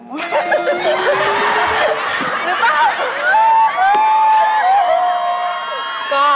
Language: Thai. หรือเปล่า